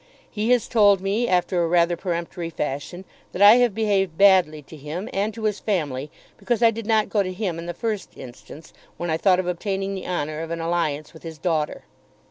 He has told me, after a rather peremptory fashion, that I have behaved badly to him and to his family because I did not go to him in the first instance when I thought of obtaining the honour of an alliance with his daughter.